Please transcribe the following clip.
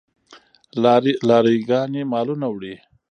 لاری ګانې مالونه وړي.